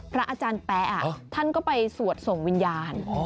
พระอาจารย์แป๊อ่ะอ๋อท่านก็ไปสวดส่งวิญญาณอ๋อ